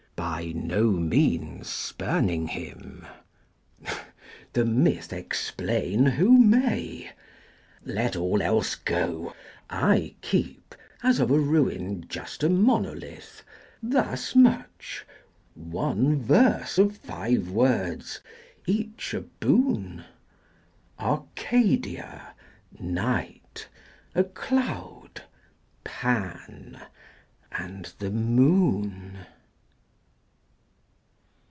"by no means spurning him." The myth Explain who may! Let all else go, I keep As of a ruin just a monolith Thus much, one verse of five words, each a boon: Arcadia, night, a cloud, Pan, and the moon.